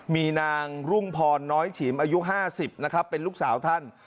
มีนางรุ่งพรน้อยฉิมอายุ๕๐นะครับเป็นลูกสาวท่าน